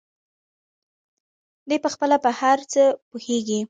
دى پخپله په هر څه پوهېږي.